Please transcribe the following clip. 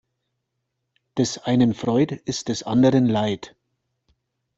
Des einen Freud ist des anderen Leid.